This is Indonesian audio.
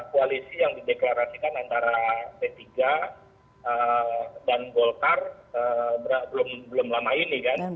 koalisi yang dideklarasikan antara p tiga dan golkar belum lama ini kan